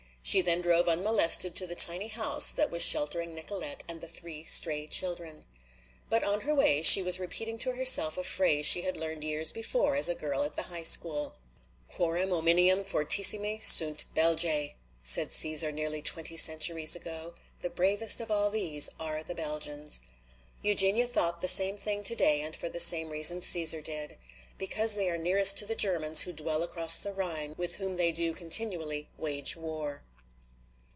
She then drove unmolested to the tiny house that was sheltering Nicolete and the three stray children. But on her way she was repeating to herself a phrase she had learned years before as a girl at the High School: "Quorum omnium fortissimi sunt Belgae," said Cæsar nearly twenty centuries ago. "The bravest of all these are the Belgians." Eugenia thought the same thing today and for the same reason Cæsar did. "Because they are nearest to the Germans, who dwell across the Rhine, with whom they do continually wage war."